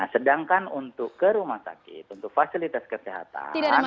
sedangkan untuk ke rumah sakit untuk fasilitas kesehatan